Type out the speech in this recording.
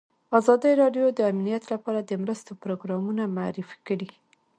ازادي راډیو د امنیت لپاره د مرستو پروګرامونه معرفي کړي.